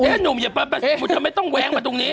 เอ๊ะหนุ่มอย่าไปทำไมต้องแว้งมาตรงนี้